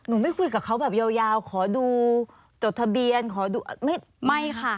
ไม่คุยกับเขาแบบยาวขอดูจดทะเบียนขอดูไม่ค่ะ